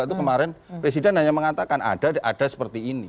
itu kemarin presiden hanya mengatakan ada ada seperti ini